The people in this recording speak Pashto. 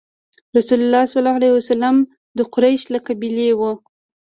رسول الله ﷺ د قریش له قبیلې وو.